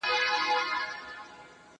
زه به سبا چپنه پاکوم،